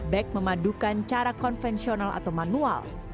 back memadukan cara konvensional atau manual